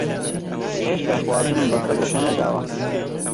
ھێشتا خواردنم بە سەگەکە نەداوە.